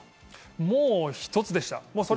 もう、一つでした。